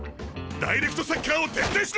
ダイレクトサッカーを徹底しろ！